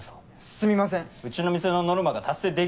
すみません。